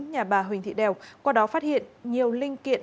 nhà bà huỳnh thị đèo qua đó phát hiện nhiều linh kiện